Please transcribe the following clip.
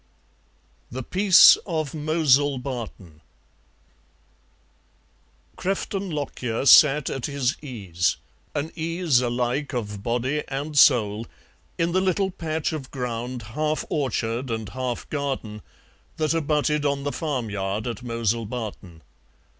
THE PEACE OF MOWSLE BARTON Crefton Lockyer sat at his ease, an ease alike of body and soul, in the little patch of ground, half orchard and half garden, that abutted on the farmyard at Mowsle Barton.